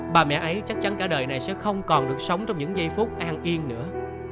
bà mẹ ấy chắc chắn cả đời này sẽ không còn được sống trong những giây phút an yên nữa